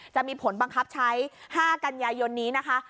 จะมีผลบังคับใช้๕กันยายนนี้นะคะ